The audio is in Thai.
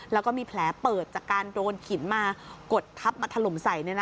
แล้วก็มีแผลเปิดจากการโดนหินมากดทับมาถล่มใส่